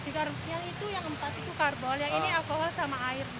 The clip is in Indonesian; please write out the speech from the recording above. di karbol itu yang empat itu karbol yang ini alkohol sama air